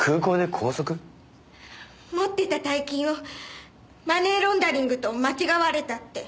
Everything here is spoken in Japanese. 持ってた大金をマネーロンダリングと間違われたって。